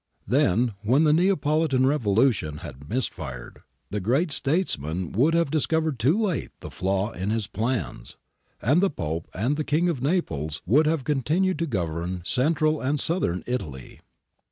Then, when the Neapolitan revolution had missed fire, the great statesman would have dis covered too late the flaw in his plans, and the Pope and the King of Naples would have continued to govern Central and Southern Italy.